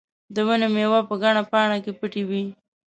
د ونې مېوې په ګڼه پاڼه کې پټې وې.